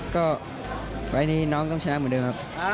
ก็ไฟล์นี้น้องต้องชนะเหมือนเดิมครับ